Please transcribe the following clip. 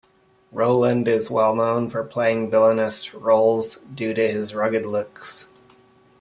Rowland is well known for playing villainous roles due to his rugged looks.